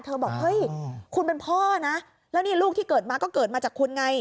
บอกเฮ้ยคุณเป็นพ่อนะแล้วนี่ลูกที่เกิดมาก็เกิดมาจากคุณไง